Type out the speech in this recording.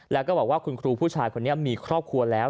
แล้วก็บอกว่าคุณครูผู้ชายคนนี้มีครอบครัวแล้ว